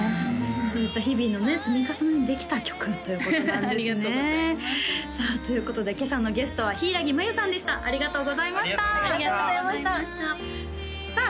そういった日々のね積み重ねでできた曲ということなんですねさあということで今朝のゲストはひいらぎ繭さんでしたありがとうございましたありがとうございましたさあ